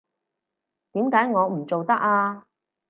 點解我唔做得啊？